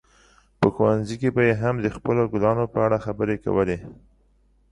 په ښوونځي کې به یې هم د خپلو ګلونو په اړه خبرې کولې.